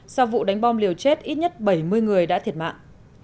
sau vụ đánh bom liều chết ít nhất bảy mươi người đã thiệt mạng